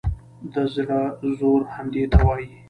د زړه زور همدې ته وایي.